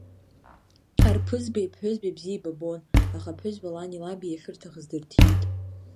Арԥызбеи аԥҳәызбеи бзиа еибабон, аха аԥҳәызба лани лаби иахьырҭахыз дырҭиит.